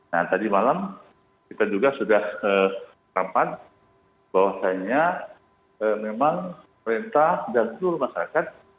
nah tadi malam kita juga sudah rapat bahwasanya memang pemerintah dan seluruh masyarakat